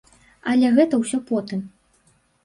Але гэта ўсё потым.